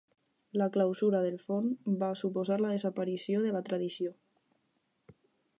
La clausura del forn va suposar la desaparició de la tradició.